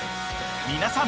［皆さん